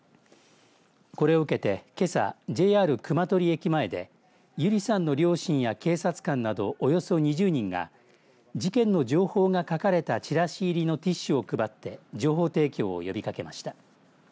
これを受けて、けさＪＲ熊取駅前で友梨さんの両親や警察官など、およそ２０人が事件の情報が書かれたチラシ入りのティッシュを配って情報提供を呼びかけました。